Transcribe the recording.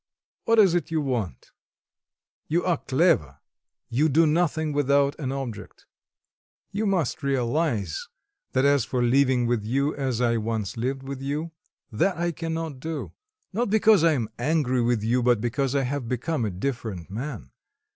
What is it you want? You are clever you do nothing without an object. You must realise, that as for living with, as I once lived with you, that I cannot do; not because I am angry with you, but because I have become a different man.